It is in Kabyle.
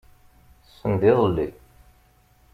Send-iḍelli.